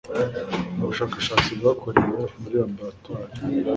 Mu bushakashatsi bwakorewe muri laboratoire